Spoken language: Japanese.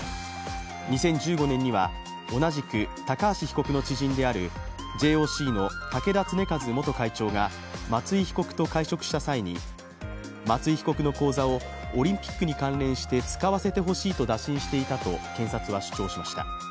２０１５年には、同じく高橋被告の知人であるＪＯＣの竹田恒和元会長が松井被告と会食した際に松井被告の口座をオリンピックに関連して使われてほしいと打診していたと検察は主張しました。